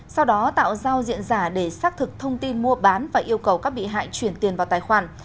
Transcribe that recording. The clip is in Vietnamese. sau đó tạo giao diện giả để xác thực thông tin mua bán và yêu cầu các bị hại chuyển tiền vào tài khoản